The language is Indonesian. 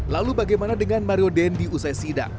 lalu bagaimana dengan mario dendy usai sida